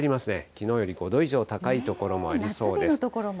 きのうより５度以上高い所もあり夏日の所も。